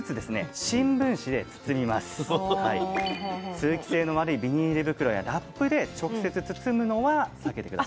通気性の悪いビニール袋やラップで直接包むのは避けて下さい。